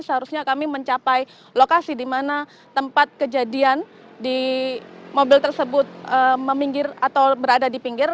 seharusnya kami mencapai lokasi di mana tempat kejadian di mobil tersebut meminggir atau berada di pinggir